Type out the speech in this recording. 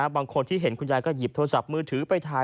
บางคนที่เห็นคุณยายก็หยิบโทรศัพท์มือถือไปถ่าย